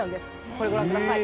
これご覧ください。